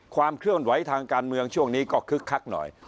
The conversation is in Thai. ความเคลื่อนไหวทางการเมืองช่วงนี้ก็คึกคักหน่อย